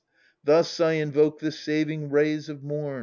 Thus I invoke the saving rays of mom.